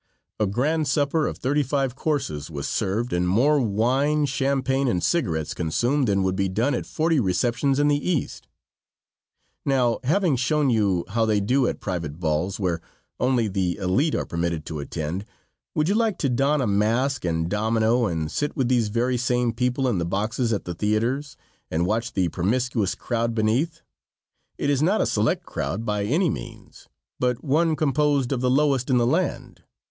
A grand supper of thirty five courses was served and more wine, champagne and cigarettes consumed than would be done at forty receptions in the East. Now, having shown you now they do at private balls where only the elite are permitted to attend, would you like to don a mask and domino and sit with these very same people in the boxes at the theaters, and watch the promiscuous crowd beneath? It is not a select crowd by any means, but one composed of the lowest in the land.